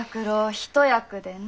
一役でね。